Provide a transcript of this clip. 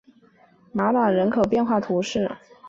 马朗人口变化图示